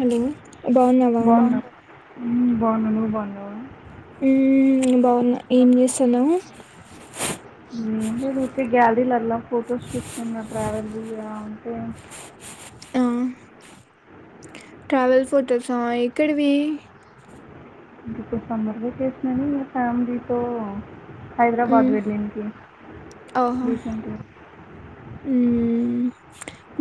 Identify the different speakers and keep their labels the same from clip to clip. Speaker 1: Hello. బాగున్నావా.
Speaker 2: బావున్నా నువ్వు బాగున్నావా.
Speaker 1: ఉమ్ బాగున్నా ఏం చేస్తున్నావు
Speaker 2: [unintelligible] గ్యాలరీ లల్ల ఫొటోస్ చూస్తున్నా ట్రావెల్వి అంటే.
Speaker 1: ఆ. ట్ర్రావెల్ ఫోటోసా ఎక్కడివి.
Speaker 2: ఇప్పుడు సమ్మర్ వెకేషన్ అనీ, ఫ్యామిలీతో.
Speaker 1: ఉం
Speaker 2: హైదరాబాద్ వెళ్ళింది
Speaker 1: ఆహో
Speaker 2: రీసెంట్గా
Speaker 1: ఉమ్.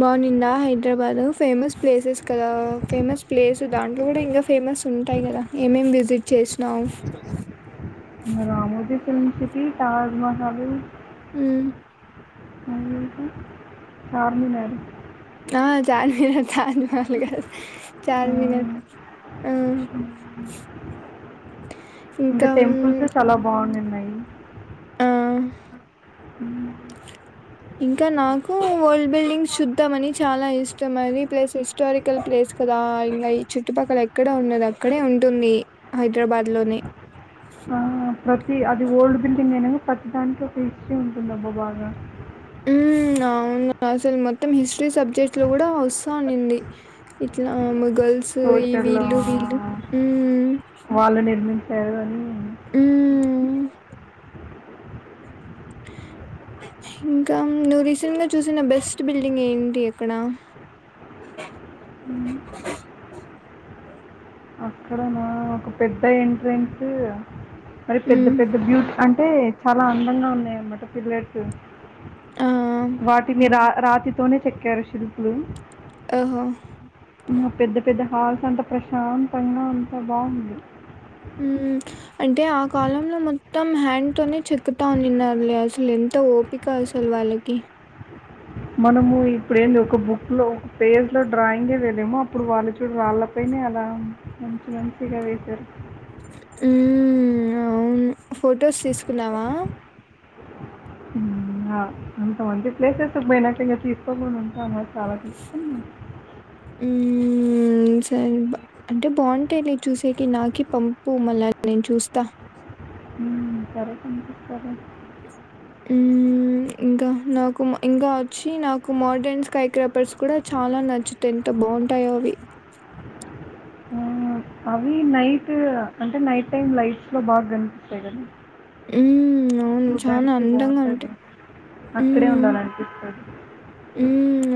Speaker 1: బానుందిందా హైదరాబాద్ ఫేమస్. ప్లేసెస్ కదా, ఫేమస్ ప్లేస్. దాంట్లో కూడా ఇంకా ఫేమస్ ఉంటాయి గద, ఏమేంమ్ విజిట్ చేసినావు.
Speaker 2: Ramoji film city Taj Mahal.
Speaker 1: ఉమ్.
Speaker 2: చార్మి మేడం.
Speaker 1: ఆ చార్ మినార్ చార్ మినార్లు కాదు,
Speaker 2: ఆ,
Speaker 1: చార్ మినార్ ఉ.
Speaker 2: ఇంకా టెంపుల్స్ చాలా బాగున్నాంది.
Speaker 1: ఆ.
Speaker 2: హమ్.
Speaker 1: ఇంకా నా. ఉ ఓల్డ్ బిల్డింగ్ శుద్దాం అని చాలా ఇష్టం మని. ప్లేస్ హిస్టారికల్ ప్లేస్ కదా, ఇంకా ఈ చుట్టుపక్కల ఎక్కడ ఉండది, అక్కడే ఉంటుంది హైదరాబాద్ లోని.
Speaker 2: ఆ ప్రతి అది ఓల్డ్ బిల్డింగ్ అయిన ప్రతి దానికి ఒక హిస్టరీ ఉంటుంది అబ్బా బాగా.
Speaker 1: ఉమ్ అవును అసలు మొత్తం హిస్. హిస్టరీ సబ్జెక్ట ల్లో కూడా వొస్. అనింది ఇట్లా. గర్ల్స్ ఈ
Speaker 2: సోషల్
Speaker 1: వీళ్ళు వీళ్ళు
Speaker 2: వాళ్ళు నిర్మించారు అని
Speaker 1: అ ఇంకా నువ్వు రీసెంట్ గా చూసిన బెస్ట్ బిల్డింగ్ ఏంటి ఎక్కడ
Speaker 2: అ అక్కడ నా ఒక పెద్ద ఎంట్రెన్స్ మరి పెద్ద
Speaker 1: ఉమ్,
Speaker 2: పెద్ద బ్యూటీ అంటే అంటే చాలా అందంగా ఉన్నాయ అన్నమాట పిల్లట్
Speaker 1: ఆ,
Speaker 2: వాటి మీ రా రాతితోనే చెక్కారు శిల్పులు
Speaker 1: ఓహో
Speaker 2: ఆ పెద్ద పెద్ద ఆ సంత ప్రశాంత్ పైన అంతా బాగుంది
Speaker 1: అంటే ఆ కాలంలో మొత్తం హ్యాండ్ తనే చెకుతా నిన్నారులే అసలు ఎ ఓపి కౌసలు వాళ్ళకి
Speaker 2: మనము ఇప్పుడ ఏంది ఒక బుక్ లో ఒక పేజ్ లో డ్రాయింగ్ే వెళ్లేము అప్పుడు వాళ్ళు చూడు వాళ్ళపైనే అలా మంచి మంచిగా వసారు
Speaker 1: ఉ అవును ఫొటోస్ తీసుకున్నావా
Speaker 2: అంతా ఉంచింది పలేసెస్ మయనాక తీసుకో ఉంటా మ కావటి
Speaker 1: హ్మ్. అంటే బాగుంటాయి న చూసే నాకి పంపు మలా నేను చూస్తా
Speaker 2: సరే కనిపిస్తారు
Speaker 1: ఇంకా నాకు ఇంకా వచ్చి నాకు మోడ్రన్ స్కై క్రాపర్స్ కూడా చాలా నచ్చుతాయి ఎంత బాగుంటాయో అవి
Speaker 2: ఆ! అవి నైట్ అంటే నైట్ టైం లైట్స్ లో బాగా కనిపిస్తాయి కదా
Speaker 1: హ్మ్. అవును. చానా
Speaker 2: చూడ్డానికి
Speaker 1: అందంగా
Speaker 2: బాగుంటది
Speaker 1: ఉంటాయి.
Speaker 2: అక్కడే ఉండాలనిపిస్తుంది
Speaker 1: ఉ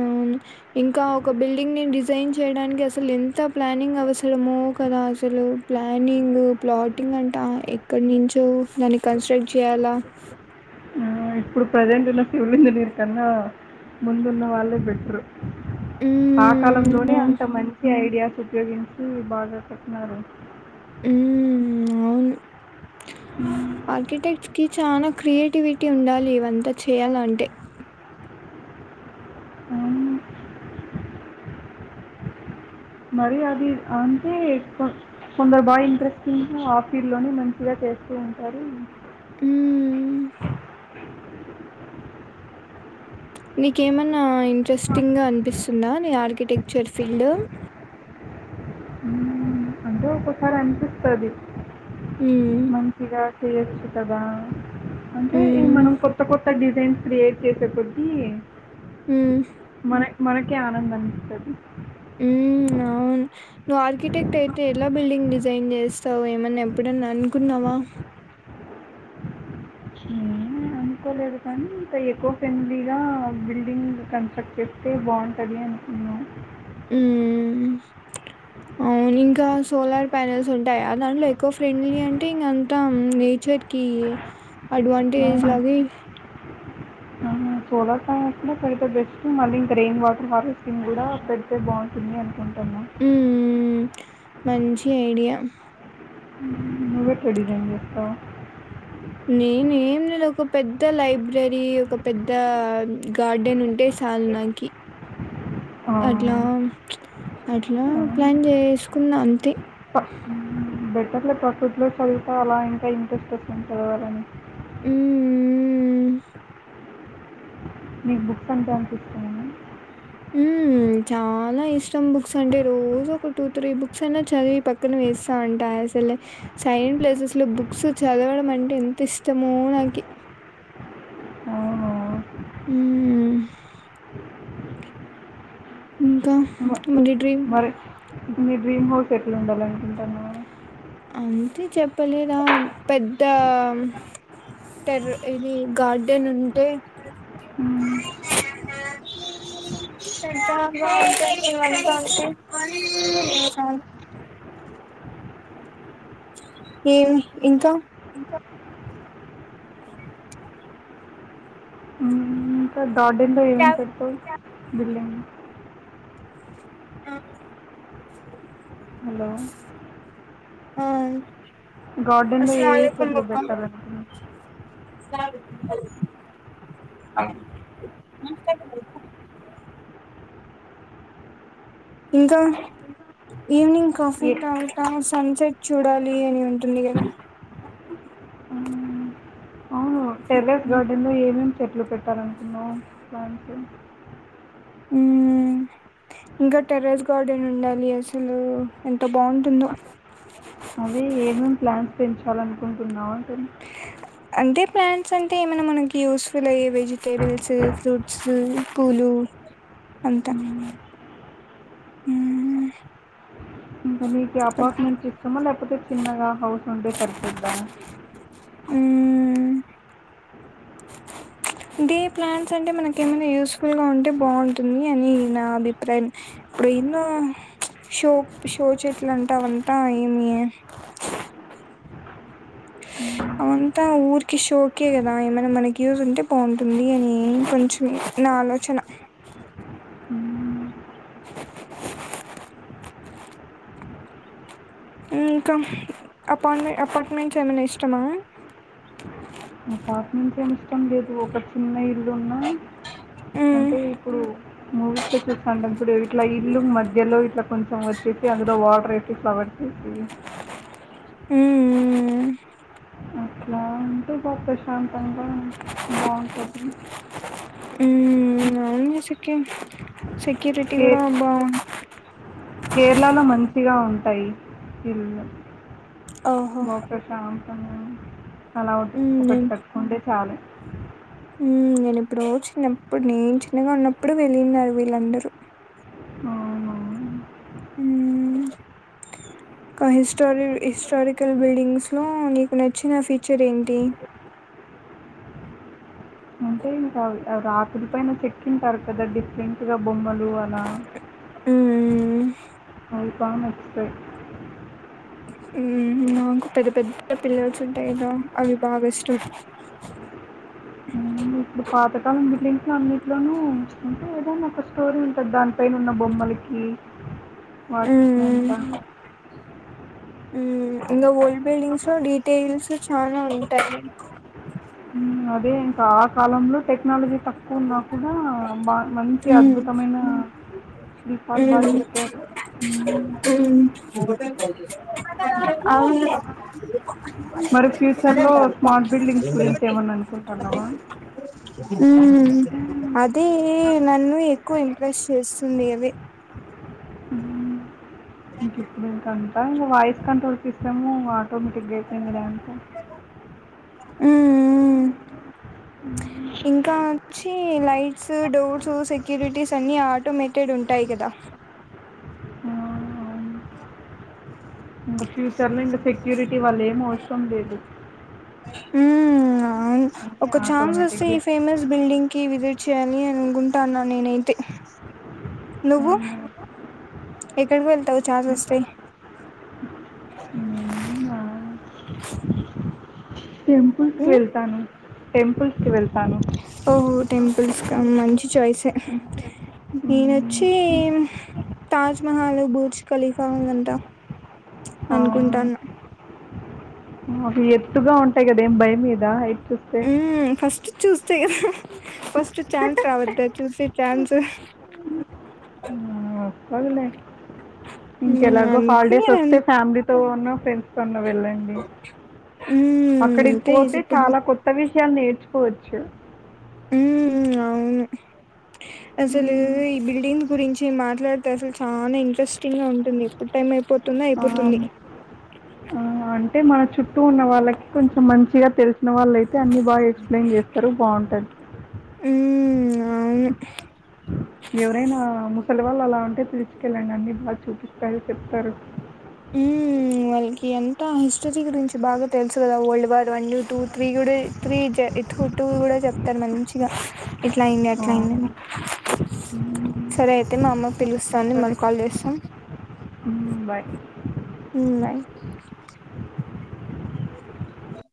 Speaker 1: అవును ఇంకా ఒక బిల్డింగ్ ని డిజైన్ చేయడానికి అసలు ఎంత ప్లానింగ్ అవస్ అసలుము కదా అసలు ప్లానింగ్ ప్లాటింగ్ అంటే ఇక్కడ నుంచో దాన్ని కన్స్ట్రక్ట్ చేయాలా
Speaker 2: ఇప్పుడు ప్రజెంట్ ఉన్న ఫివలి ఇంజనీర్ కన్నా ముందున్న వాళ్ళే బెటరు ఆ
Speaker 1: హ్మ్. ఆ!
Speaker 2: కాలంలోనే అంత మంచి ఐడియాస్ ఉపయోగించ బాగా పెతున్నారు
Speaker 1: హు అవును
Speaker 2: ఉ
Speaker 1: ఆర్కిటెక్ట్ కి చాలా క్రియేటివిటీ ఉండాలి ఇవంతా చేయాలంటే
Speaker 2: అవును మరి అది అంటే కొందరు బాగా ఇంట్రెస్టింగ్ ఆఫీ లోనే మంచిగా చేస్తూ ఉంటారు
Speaker 1: హ
Speaker 2: [inaudible]
Speaker 1: నీకేమన్నా ఇంట్రెస్టింగ్ గా అనిపిస్తుందా ని ఆర్కిటెక్ట్ ఫ్యచర్ ఫీల్డ్
Speaker 2: అంటే ఒక్కొసారి అనిపిస్తది
Speaker 1: హ్మ్.
Speaker 2: మంచిగా చెయ్యొచ్చు కదా అంటే ఈ
Speaker 1: హ్మ్.
Speaker 2: మనం కొత్త కొత్త కొత్త డిజైన్స్ క్రియేట్ చేసే కొద్టి
Speaker 1: హ్మ్.
Speaker 2: మన మనకే ఆనందాన్నిస్తది
Speaker 1: ఉ అవును నువ్వు ఆర్కిటెక్ట్ అయితే ఎలా బిల్డింగ్ డిజైన్ చేస్తావు ఏమన్నా ఎప్పుడన్నా అనుకున్నావా
Speaker 2: ఏ అనుకోలేదు కానీ ఇంకా ఎక్కువ ఫ్రెండ్లీగా బిల్డింగ్ కన్స్ట్రక్ట్ చేస్తే బాగుంటుంది అనుకున్నాను
Speaker 1: హు అవును ఇంకా సోలార్ ప్యానెల్స్ ఉంటాయి ఆ దాంట్లో ఎక్కువ ఫ్రెండ్లీ అంటే ఇంగా అంత నేచర్ కి అడ్వాంటేజ్ లాగ
Speaker 2: సోలార్ ప్యాం కూడా పెడితే బెస్ట్ మళ్ళీ ఇంకా రెయిన్ వాటర్ హార్వెస్టింగ్ కూడా పెడితే బాగుంటుంది అనుకుంటాము
Speaker 1: ఉ మంచి ఐడియా
Speaker 2: మచ్చ డిజైన్స్ చేస్తా
Speaker 1: నేనే ఏం ఒక పెద్ద లైబ్ర ప్రైబ్రరీ ఒక పెద్ద గార్డెన్ ఉంటే చాలు నాకి అట్లా అట్లా ప్లాన్ చేసుకున్న అంతే
Speaker 2: బెటర్లే ప్రాఫిట్ లో చళ్తా అలా ఇంకా ఇంట్రెస్ట్ వస్తుంటంది చదవాలని
Speaker 1: ఉ
Speaker 2: మీకు బుక్స్ అంతా ఇష్టమా
Speaker 1: ఉ చాలా ఇష్టం బుక్స్ అంటే రోజు ఒక టూ త్రీ బుక్స్ అయినా చదివి పక్కన వేస్తా అంటా అసలే సైన్ ప్లేసెస్ లో బుక్స్ చదవడం అంటే ఎంత ఇష్టమో నాకి
Speaker 2: అవునా
Speaker 1: అ ఇంకా
Speaker 2: మ
Speaker 1: మరి డ్రీమ్
Speaker 2: చెట్లు ఉండాలినుకుంటానావ
Speaker 1: అంతే చెప్పలేదా పెద్ద టెర్ర ఇది గార్డ న్ ఉంటే
Speaker 2: మ్మ్.
Speaker 1: స ఏ ఇంకా
Speaker 2: ఉంకద్ రోడ్డుంద ఏం చెప్పు బిల్డింగ్
Speaker 1: ఆం
Speaker 2: హలో
Speaker 1: ఆ
Speaker 2: గార్డెన్ లో ఏ ఏ చెట్లు
Speaker 1: అస్సలాములైకుం.
Speaker 2: బెట్టర్ అనుకున్
Speaker 1: ఇంకా ఈవినింగ్ కాఫీ
Speaker 2: ఏ
Speaker 1: [unintelligible] సన్సెట్ చూడాలి అని ఉంటుంది కదా
Speaker 2: మ్మ్. అవును టెర్రస్ గార్డెన్ లో ఏమేం చెట్లు పెట్టాలనుకున్నావ్ ప్లాంట్స్
Speaker 1: ఊ ఇంకా టెర్రస్ గార్డెన్ ఉండాలి అసలు ఎన్
Speaker 2: అదే ఏమేం ప్లా పెంచాలనుకుంటున్నావు అంటు
Speaker 1: అంటే ప్లాంట్స్ అంటే ఏమైనా మనకి యూస్ఫుల్ అయ్యే వెజిటేబుల్స్ ఫ్రూట్స్ పూలు అంతా
Speaker 2: మ్మ్.
Speaker 1: మ్మ్
Speaker 2: ఇంకా మీకి అపార్ట్మెంట్స్ ఇష్టమా లేకపోతే చిన్నగా హౌస్ ఉంటే సరిపోద్దా
Speaker 1: ఊ డే ప్లాన్ట్స్ అంటే మనకేమైనా యూస్ఫుల్ గా ఉంటే బావుంటుంది అని నా అభిప్రాయం ఇప్పుడు ఎన్నో షో షో చెట్లు అంటా అవంతా ఏమి
Speaker 2: మ్మ్.
Speaker 1: అవంతా ఊరికి షోకే కదా ఏమైనా మనకి యూస్ ఉంటే బావుంటుంది అని కొంచెం నా ఆలోచన
Speaker 2: హ్మ్.
Speaker 1: ఊ ఇంకా అపాట్మె అపార్ట్మెంట్స్ ఏమైనా ఇష్టమా
Speaker 2: పాట్మెంట్స్ ఏం ఇష్టం లేదు ఒక చిన్న ఇల్లున్నా
Speaker 1: మ్మ్
Speaker 2: అంటే ఇప్పుడు మూవీస్ లో చూస్తా ఉంటాం ఇప్పుడు ఇట్లా ఇల్లు మధ్యలో ఇట్లా కొంచెం వచ్చేసి అందులో వాటర్ వేసి ఫ్లవర్స్ ఏసి
Speaker 1: ఊ ఊ
Speaker 2: అట్లా అంటే బా ప్రశాంతంగా బాగుంటుంది
Speaker 1: అమ్మో సెక్యూర్ సెక్యూరిటీ
Speaker 2: కే
Speaker 1: కూడా ఉందా
Speaker 2: కేరళలో మంచిగా ఉంటాయి ఇల్లు
Speaker 1: ఓహో
Speaker 2: బా ప్రశాంతం గా అలా ఒక ఒకటి
Speaker 1: మ్మ్
Speaker 2: కట్టుకుంటే చాలుే
Speaker 1: నేనేప్పుడో చిన్నప్పుడు నేను చిన్నగా ఉన్నప్పుడు వెళ్ళిన్నారు వీళ్ళందరూ
Speaker 2: ఆవునా
Speaker 1: మ్ ఒక హిస్టారి హిస్టారికల్ బిల్డింగ్స్ లో నీకు నచ్చిన ఫీచర్ ఏంటి
Speaker 2: ఏం కాదు రాత్రల పైన చెక్కింటారు కదా డిఫరెంట్ ఇగ బొమ్మలు అలా
Speaker 1: మ్మ్
Speaker 2: అవి నచ్చుతాయి.
Speaker 1: మ్ మాకు పెద్ద పెద్ద పిల్లర్స్ ఉంటాయి కదా అవి బాగా ఇష్టూ
Speaker 2: మ్ ఇట్ల పాతకాలం ఇంట్లో అన్నిట్లోన ఉంటే ఏదైనా ఒక స్టోరీ ఉంటది దానిపైన ఉన్న బొమ్మలకి వాటిర్
Speaker 1: ఉమ్
Speaker 2: పంటా
Speaker 1: అ బిల్డింగ్స్ లో డీటెయిల్స్ చాలా ఉ ంట
Speaker 2: అదే ఇంకా ఆ కాలంలో టెక్నాలజీ త నా కూడా బా మంచి
Speaker 1: ఉమ్
Speaker 2: అద్భుతమైన శీపల్ బాగా
Speaker 1: ఉమ్
Speaker 2: చెప్పారు
Speaker 1: ఉమ్ అవును
Speaker 2: మరి ఫ్యూచర్ లో స్మార్ట్ బిల్డింగ్స్ గురించి ఏమన్నా అనుకోు పలవాన్
Speaker 1: అదే నన్ను ఎక్కువ ఇంప్రెస్ట్ చేస్తుంది అవి
Speaker 2: ఉ ఇప్పు కా వయిస్ కంట్రోల్ పస్
Speaker 1: ఇంకా వచ్చి లైట్స్ డోర్స్ సెక్యూరిటీస్ అన్నీ ఆటోమేటెడ్ ఉంటాయి కదా
Speaker 2: ఆ! అవును.
Speaker 1: ఆ
Speaker 2: ఇంక కుొబేబు
Speaker 1: ఉ అవును ఒక ఛాన్స్ వస్తే
Speaker 2: ఆటోమేటిక్గా
Speaker 1: ఈ ఫేమస్ బిల్డింగ్ కి విజిట్ చేయాలి అనుకుంటాను నేన నువ్వుూ ఇక్కడ వెల్తవు చా వస్తయి
Speaker 2: నేనా షెంపూస్ వెళ్తాను టెంపుల్స్ కి వెళ్తాను
Speaker 1: ఓహో టెంపుల్స్ మంచి చాయిస్ స నేనొచ్చి తాజ్మహల్ బూడ్జ ఖలీఫా ఇదంటా
Speaker 2: ఆ,
Speaker 1: అనుకుంటాను
Speaker 2: అవి ఎత్తుగా ఉంటాయి కదా ఏం భయం మీద చూస్తే
Speaker 1: ఉ ఫస్ట్ చూస్తే కదా బస్ చాన్స్ రావాలద్దదు చూసి చాన్స్
Speaker 2: అలే
Speaker 1: మ్మ్
Speaker 2: ఇంకెలాగో
Speaker 1: అనుకుని
Speaker 2: హాలిడేస్ వస్తే ఫ్యామిలీతో ఉన్న సే కొన్న వెళ్ళండి
Speaker 1: మ్మ్
Speaker 2: అక్కడికి
Speaker 1: అంతే
Speaker 2: పోతే
Speaker 1: ఇప్పుడు
Speaker 2: చాలా కొత్త విష [unintelligible] నేర్చుకోవచ్చు
Speaker 1: మ్మ్ మ్మ్ అవును అసలు ఈ బిల్డింగ్ గురించ్ నేన్ మాట్లాడితే అసలు చానా ఇంట్రెస్ట్ [unintelligible] ఉంటుంది ఎప్పుడు టైం అయిపోతుందా
Speaker 2: ఆ,
Speaker 1: ఐయిపోతుంది
Speaker 2: ఆ, అంటే మన చుట్టూ ఉన్న వాళ్ళకి కొంచెం మంచిగా తెల్స్ చిన్న వాళ్ళయితే అన్ని బాగా ఎక్స్ప్లెన్ చేస్తారు బావుంటాది.
Speaker 1: మ్ అవ్ను
Speaker 2: ఎవరైనా ముసలి వాళ్ళు అలా ఉంటే తీస్కెళ్ళండి అన్ని బాగా చూపిస్తారు చెప్తారు.
Speaker 1: హ్మ్మ్ వాళ్ళకి అంట హిస్టరీ గురించి బాగా తెలుసు కదా ఓల్డ్ వార్ వన్ను టూ త్రీ కూడా త్రీ జా ఇట్ టు కూడా చెప్తారు మంచ్ యా ఇట్లా అయింది
Speaker 2: ఆ,
Speaker 1: అట్లా అయిందని
Speaker 2: ఉమ్,
Speaker 1: సరే అయితే మా అమ్మ పిలుస్తా ఉంది మాళ్ కాల్ చేస్తాం.
Speaker 2: హ్మ్మ్ బాయ్
Speaker 1: ఉమ్ బాయ్